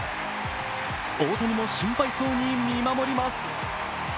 大谷も心配そうに見守ります。